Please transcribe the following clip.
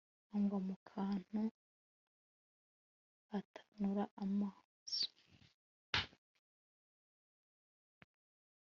agwa mukantu akanura amaso